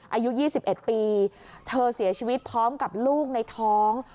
อายุ๒๑ปีเธอเสียชีวิตพร้อมกับลูกในท้อง